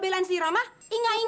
kecua tikus and the gang